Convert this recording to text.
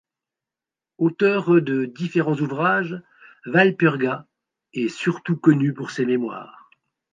Auteure de différents ouvrages, Walpurga est surtout connue pour ses mémoires.